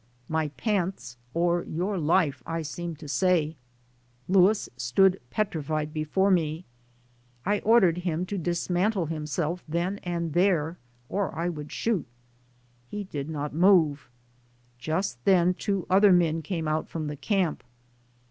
"My pants or your life!" I seemed to say. Louis stood petrified before me. I ordered him to dismantle himself then and there, or I would shoot. He did not move. Just then two other men came out from the camp.